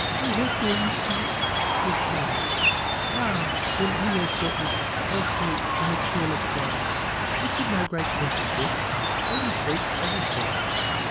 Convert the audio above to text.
"I have no receipt" says she. "Ah! Then he has got it" I says in a careless way. "It's of no great consequence. A receipt's a receipt."